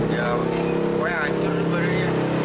ya pokoknya ancur juga dia